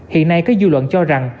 hiện nay có dư luận cho rằng